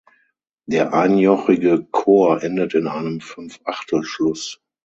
Der einjochige Chor endet in einem Fünfachtelschluss.